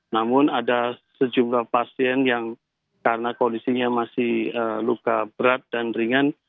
namun ada sejumlah pasien yang karena kondisinya masih luka berat dan ringan